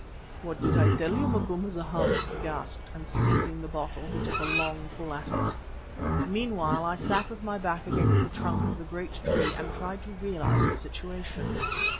"What did I tell you, Macumazahn?" he gasped, and seizing the bottle, he took a long pull at it. Meanwhile I sat with my back against the trunk of the great tree and tried to realize the situation.